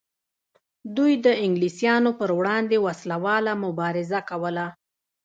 دوی د انګلیسانو پر وړاندې وسله واله مبارزه کوله.